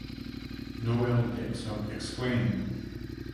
Noel Dix of Exclaim!